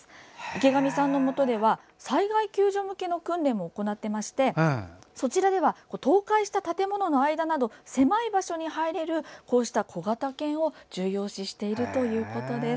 池上さんのもとでは災害救助向けの訓練も行っていましてそちらでは倒壊した建物の間など狭い場所に入れるこうした小型犬を重要視しているということです。